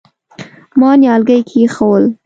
ما نيالګي کېښوول.